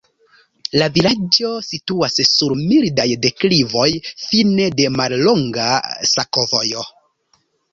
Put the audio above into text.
La vilaĝo situas sur mildaj deklivoj, fine de mallonga sakovojo.